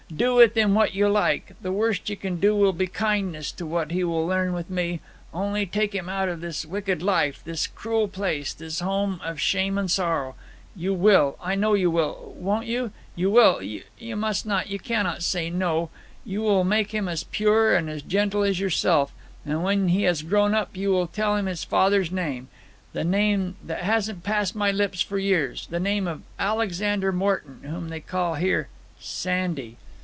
Do with him what you like. The worst you can do will be kindness to what he will learn with me. Only take him out of this wicked life, this cruel place, this home of shame and sorrow. You will; I know you will won't you? You will you must not, you cannot say no! You will make him as pure, as gentle as yourself; and when he has grown up, you will tell him his father's name the name that hasn't passed my lips for years the name of Alexander Morton, whom they call here Sandy!